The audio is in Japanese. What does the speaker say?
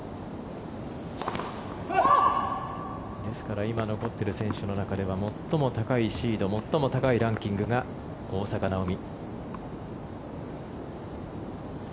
ですから今、残っている選手の中では最も高いシード最も高いランキングが大坂なおみ。